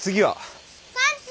パンチ！